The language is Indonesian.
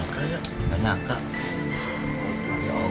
gak nyangka ya